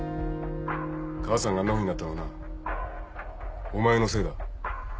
母さんがあんなふうになったのはなお前のせいだ。